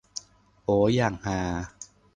โอ้ย อย่างฮา